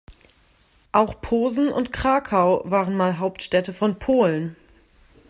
Auch Posen und Krakau waren mal Hauptstädte von Polen.